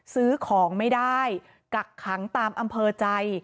ซื้อของไม่ได้กักขังตามอำเภอใจ